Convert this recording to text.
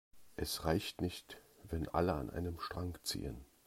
Es reicht nicht, wenn alle an einem Strang ziehen.